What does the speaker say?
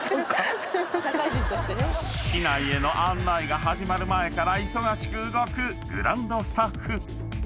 ［機内への案内が始まる前から忙しく動くグランドスタッフ］